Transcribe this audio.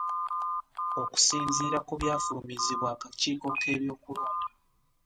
Okusinziira ku byafulumizibwa akakiiko k'ebyokulonda